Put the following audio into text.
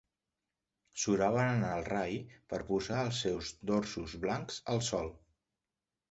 Suraven en el rai per posar els seus dorsos blancs al sol.